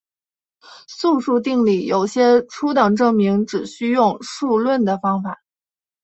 素数定理有些初等证明只需用数论的方法。